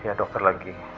ya dokter lagi